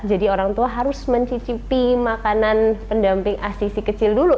jadi orang tua harus mencicipi makanan pendamping asi si kecil dulu